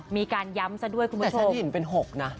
มีการย้ำซะด้วยคุณผู้ชมเห็นเป็น๖นะ